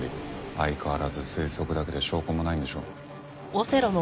相変わらず推測だけで証拠もないんでしょ？